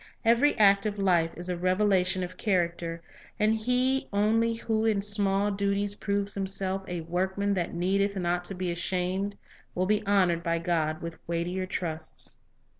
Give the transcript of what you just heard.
Every act of life is a revela tion of character, and he only who in small duties proves himself "a workman that needeth not to be ashamed," 1 will be honored by God with weightier trusts.